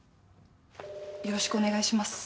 よろしくお願いします。